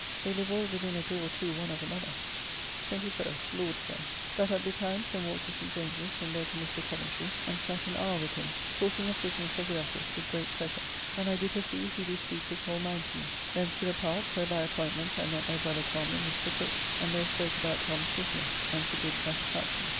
They live all within a door or two one of another. 21st (Lord's day). Got up betimes and walked to St. James's, and there to Mr. Coventry, and sat an hour with him, talking of business of the office with great pleasure, and I do perceive he do speak his whole mind to me. Thence to the Park, where by appointment I met my brother Tom and Mr. Cooke, and there spoke about Tom's business, and to good satisfaction.